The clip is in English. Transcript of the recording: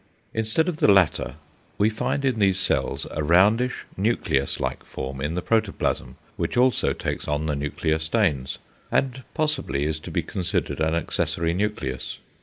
Instead of the latter, we find in these cells a roundish, nucleus like form in the protoplasm, which also takes the nuclear stains, and possibly is to be considered an accessory nucleus.